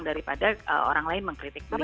daripada orang lain mengkritik beliau gitu